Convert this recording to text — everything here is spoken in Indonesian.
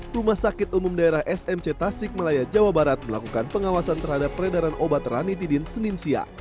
rumah sakit umum daerah smc tasik malaya jawa barat melakukan pengawasan terhadap peredaran obat ranitidin seninsia